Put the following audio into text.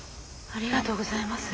ありがとうございます。